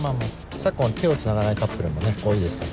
昨今は手をつながないカップルも多いですから。